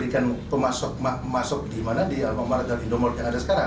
di alfamart dan indomark yang ada sekarang